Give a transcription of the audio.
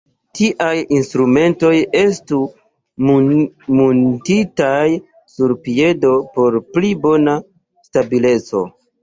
Tiaj instrumentoj estu muntitaj sur piedo por pli bona stabileco.